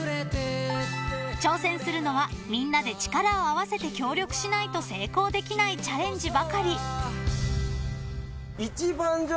［挑戦するのはみんなで力を合わせて協力しないと成功できないチャレンジばかり］